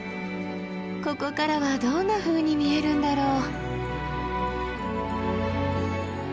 ここからはどんなふうに見えるんだろう。